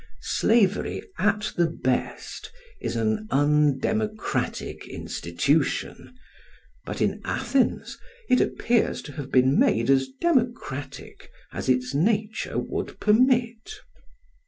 Slavery at the best is an undemocratic institution; but in Athens it appears to have been made as democratic as its nature would admit.